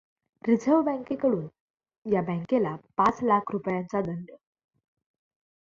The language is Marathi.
रिझव् र्ह बँकेकडून या बँकेला पाच लाख रुपयांचा दंड.